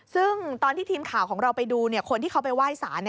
ซึ่งตอนที่ทีมข่าวของเราไปดูคนที่เขาไปไหว้สาร